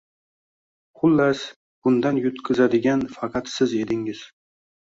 Xullas, bundan yutqizadigan faqat siz edingiz.